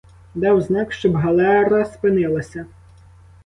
Дав знак, щоб галера спинилася.